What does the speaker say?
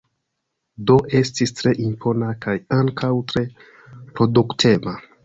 Do estis tre impona kaj ankaŭ tre produktema.